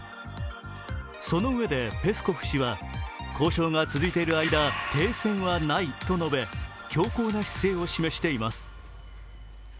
そのうえでペスコフ氏は交渉が続いている間停戦はないと述べ強硬な姿勢を示しています。